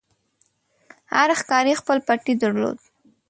هر ښکاري خپل پټی درلود.